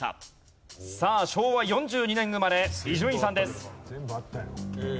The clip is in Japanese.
さあ昭和４２年生まれ伊集院さんです。